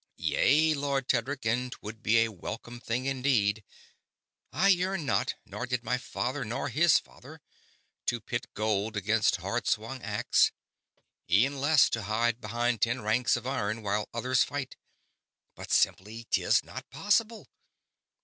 "Yea, Lord Tedric, and 'twould be a welcome thing indeed. I yearn not, nor did my father nor his father, to pit gold 'gainst hard swung axe; e'en less to hide behind ten ranks of iron while others fight. But simply 'tis not possible.